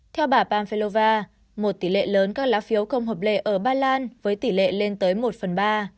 theo bà panpelova một tỷ lệ lớn các lá phiếu không hợp lệ ở ba lan với tỷ lệ lên tới một phần ba